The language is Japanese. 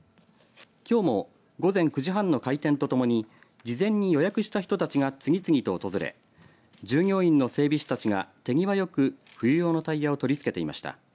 きょうも午前９時半の開店とともに事前に予約した人たちが次々と訪れ従業員の整備士たちが手際よく冬用のタイヤを取り付けていました。